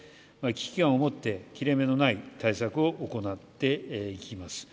危機感を持って切れ目のない対策を行っていきます。